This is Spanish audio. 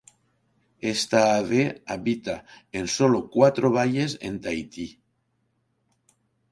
Esta ave habita en solo cuatro valles en Tahití.